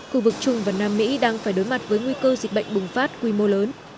khu vực trung và nam mỹ đang phải đối mặt với nguy cơ dịch bệnh bùng phát quy mô lớn